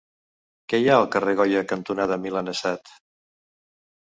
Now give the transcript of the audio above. Què hi ha al carrer Goya cantonada Milanesat?